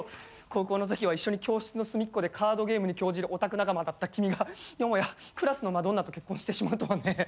高校のときは一緒に教室の隅っこでカードゲームに興じるオタク仲間だった君がよもやクラスのマドンナと結婚してしまうとはね。